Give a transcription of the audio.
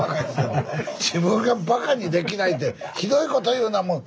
自分がバカにできないってひどいこと言うなもう。